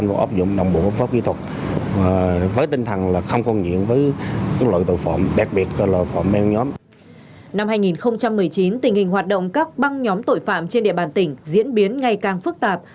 năm hai nghìn một mươi chín tình hình hoạt động các băng nhóm tội phạm trên địa bàn tỉnh diễn biến ngày càng phức tạp